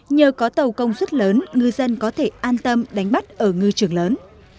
nhờ có tàu công suất lớn ngư dân có thể an tâm đánh bắt ở ngư trường lớn